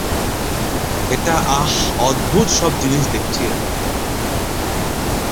এটা, আহহ, অদ্ভুত সব জিনিস দেখছি আমি।